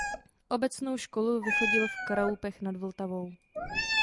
Obecnou školu vychodil v Kralupech nad Vltavou.